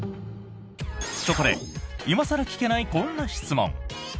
そこで今更聞けないこんな質問。